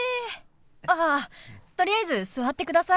あっとりあえず座ってください。